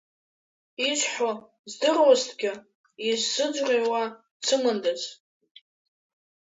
Исҳәо здыруаҭгьы, исзыӡырҩуа дсымандаз!